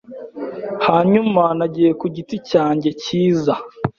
Hanyuma nagiye ku giti cyanjye cyiza